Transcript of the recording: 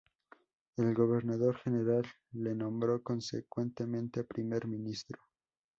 El gobernador general le nombró, consecuentemente, Primer Ministro.